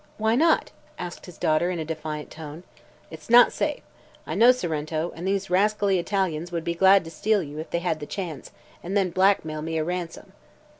"Why not?" asked his daughter in a defiant tone. "It's not safe. I know Sorrento, and these rascally Italians would be glad to steal you, if they had the chance, and then blackmail me a ransom."